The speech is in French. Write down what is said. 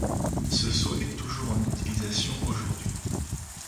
Ce sceau est toujours en utilisation aujourd'hui.